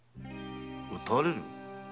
討たれる？